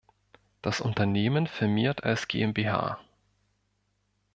Das Unternehmen firmiert als GmbH.